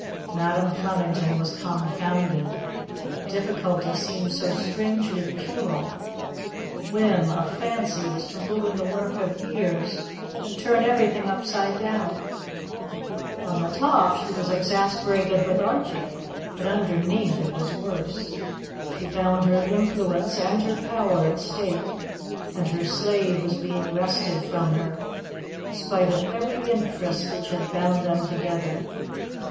Madam Flemington was confounded. The difficulty seemed so strangely puerile. A whim, a fancy, was to ruin the work of years and turn everything upside down. On the top, she was exasperated with Archie, but underneath, it was worse. She found her influence and her power at stake, and her slave was being wrested from her, in spite of every interest which had bound them together.